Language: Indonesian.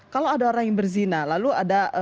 kalau ada orang yang berzina lalu ada